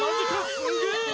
すげえな！